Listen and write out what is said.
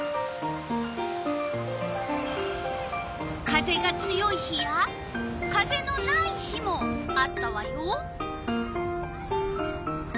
風が強い日や風のない日もあったわよ。